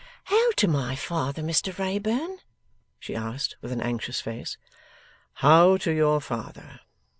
'How to my father, Mr Wrayburn?' she asked, with an anxious face. 'How to your father?